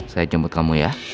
saya jemput kamu ya